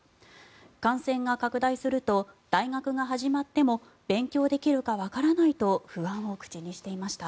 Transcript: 感染が拡大すると大学が始まっても勉強できるかわからないと不安を口にしていました。